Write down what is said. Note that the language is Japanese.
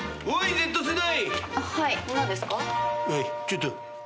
Ｚ世代！